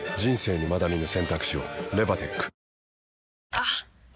あっ！